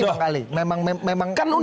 memang niatnya seperti itu